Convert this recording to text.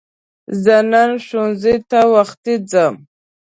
زه نن ښوونځی ته وختی ځم